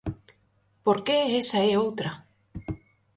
Porque esa é outra!